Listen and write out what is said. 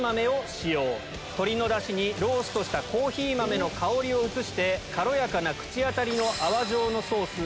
鶏のダシにローストしたコーヒー豆の香りを移して軽やかな口当たりの。